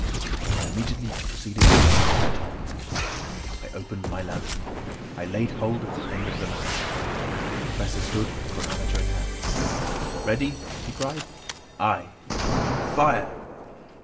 I immediately proceeded to the mouth of the tunnel. I opened my lantern. I laid hold of the end of the match. The Professor stood, chronometer in hand. "Ready?" he cried. "Ay." "Fire!"